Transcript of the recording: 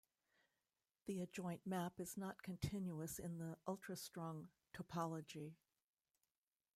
The adjoint map is not continuous in the ultrastrong topology.